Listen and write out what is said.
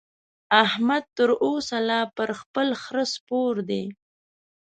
احمد تر اوسه لا پر خپل خره سپور دی.